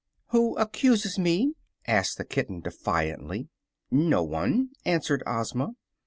"Who accuses me?" asked the kitten, defiantly. "No one," answered Ozma.